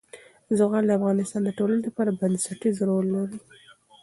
زغال د افغانستان د ټولنې لپاره بنسټيز رول لري.